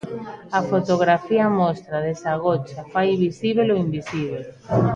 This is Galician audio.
A fotografía mostra, desagocha, fai visíbel o invisíbel.